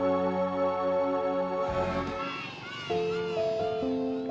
aku emang kecewa banget